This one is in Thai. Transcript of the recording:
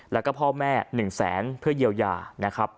แล้วก็พ่อแม่๑แสนเพื่อเยียวยานะครับ